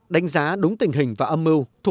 đánh giá đúng tình hình và âm mưu